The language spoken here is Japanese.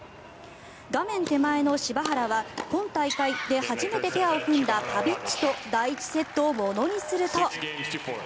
画面手前の柴原は今大会で初めてペアを組んだパビッチと第１セットをものにすると。